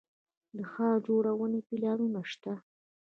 د ښار جوړونې پلانونه شته